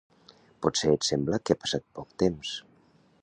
Potser et sembla que ha passat poc temps.